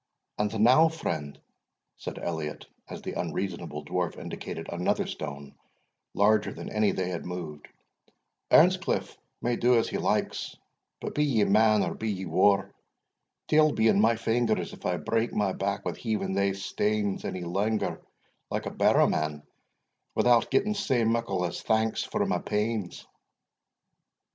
"And now, friend," said Elliot, as the unreasonable Dwarf indicated another stone larger than any they had moved, "Earnscliff may do as he likes; but be ye man or be ye waur, deil be in my fingers if I break my back wi' heaving thae stanes ony langer like a barrow man, without getting sae muckle as thanks for my pains."